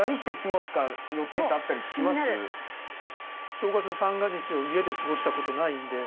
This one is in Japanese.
正月三が日を家で過ごしたことないんで。